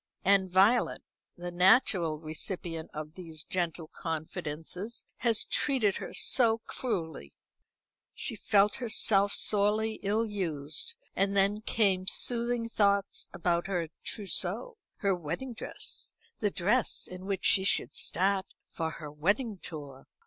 And Violet, the natural recipient of these gentle confidences, had treated her so cruelly. She felt herself sorely ill used; and then came soothing thoughts about her trousseau, her wedding dress, the dress in which she should start for her wedding tour.